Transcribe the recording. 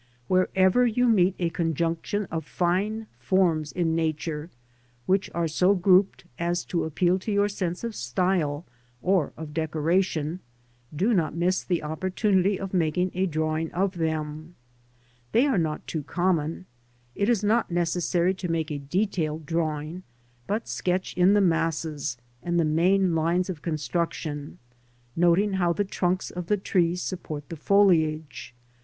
Wherever you meet a conjunction of fine forms in Nature (which are so grouped as to appeal to your sense of style or of decoration), do not miss the opportunity of making a drawing of them. They are not too common. It is not necessary to make a detailed drawing, but sketch in the masses and the main lines of construction, noting how the trunks of the trees support the foliage.